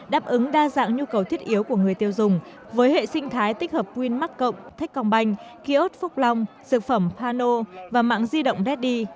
đáp ứng đa dạng nhu cầu thiết yếu của người tiêu dùng với hệ sinh thái tích hợp winmark thách còng banh kiosk phúc long sự phẩm pano và mạng di động deaddy